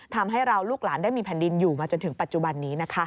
ทำให้เราลูกหลานได้มีแผ่นดินอยู่มาจนถึงปัจจุบันนี้นะคะ